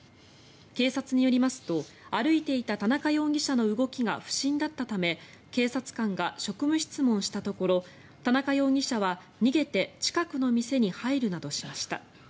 警察によりますと歩いていた田中容疑者の動きが不審だったため警察官が職務質問したところ田中容疑者は逃げて近くの店に入るなどしました。